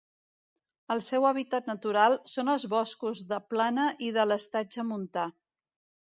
El seu hàbitat natural són els boscos de plana i de l'estatge montà.